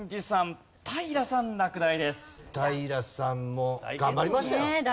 平さんも頑張りましたよ。